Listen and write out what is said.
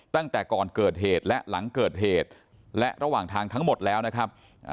ตั้งแต่ก่อนเกิดเหตุและหลังเกิดเหตุและระหว่างทางทั้งหมดแล้วนะครับ